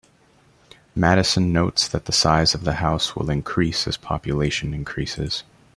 Madison notes that the size of the House will increase as population increases.